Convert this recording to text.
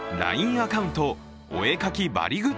アカウント、お絵描きばりぐっ